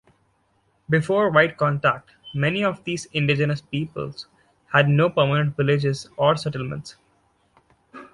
Before white contact, many of these indigenous peoples had no permanent villages or settlements.